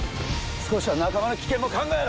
少しは仲間の危険も考えろ！